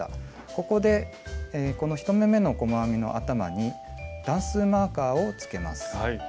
ここでこの１目めの細編みの頭に段数マーカーをつけます。